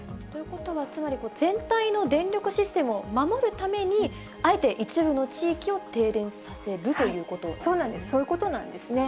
ということはつまり、全体の電力システムを守るためにあえて一部の地域を停電させるというこそうなんです。